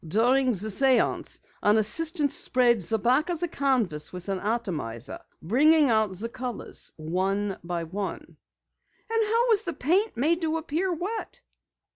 During the séance, an assistant sprayed the back of the canvas with an atomizer, bringing out the colors one by one." "And how was the paint made to appear wet?"